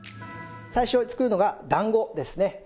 最初に作るのが団子ですね。